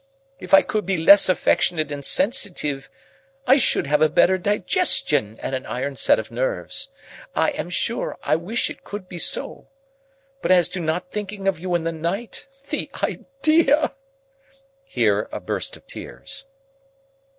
If I could be less affectionate and sensitive, I should have a better digestion and an iron set of nerves. I am sure I wish it could be so. But as to not thinking of you in the night—The idea!" Here, a burst of tears.